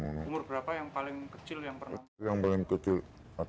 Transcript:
umur berapa yang paling kecil yang pernah